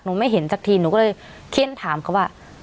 ไม่เห็นสักทีหนูก็เลยเคี้ยนถามเขาว่า